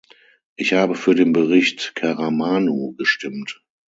Ich habe für den Bericht Karamanou gestimmt.